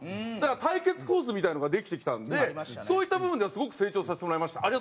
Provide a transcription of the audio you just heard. だから対決構図みたいなのができてきたんでそういった部分ではすごく成長させてもらいました。